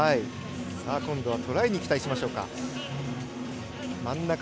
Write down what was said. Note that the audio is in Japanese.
今度はトライに期待しましょう。